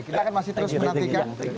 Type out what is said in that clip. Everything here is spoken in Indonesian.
kita akan masih terus menantikan